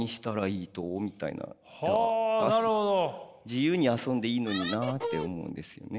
自由に遊んでいいのになって思うんですよね。